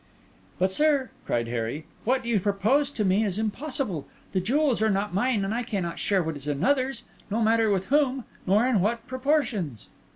"But, sir," cried Harry, "what you propose to me is impossible. The jewels are not mine, and I cannot share what is another's, no matter with whom, nor in what proportions."